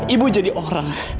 ibu jadi orang